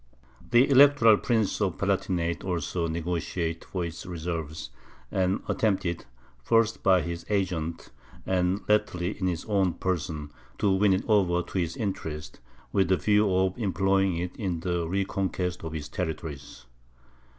The Electoral Prince of the Palatinate also negociated for its services, and attempted, first by his agents, and latterly in his own person, to win it over to his interests, with the view of employing it in the reconquest of his territories.